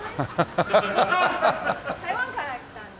台湾から来たんです。